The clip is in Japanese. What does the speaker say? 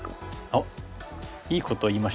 おっいいことを言いました。